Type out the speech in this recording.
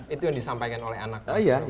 itu yang disampaikan oleh anak